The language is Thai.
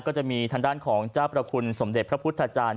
ก็จะมีทางด้านของเจ้าประคุณสมเด็จพระพุทธจารย์